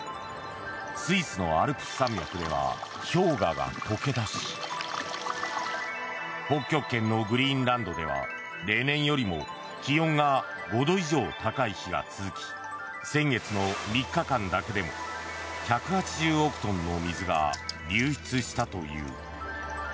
スイスのアルプス山脈では氷河が解け出し北極圏のグリーンランドでは例年よりも気温が５度以上高い日が続き先月の３日間だけでも１８０億トンの水が流出したという。